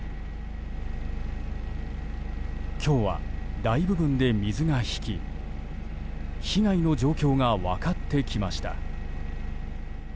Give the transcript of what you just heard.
今日は大部分で水が引き被害の状況が分かってきました。